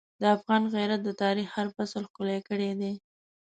د افغان غیرت د تاریخ هر فصل ښکلی کړی دی.